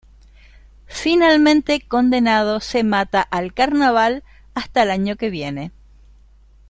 Finalmente condenado se mata al Carnaval...hasta el año que viene.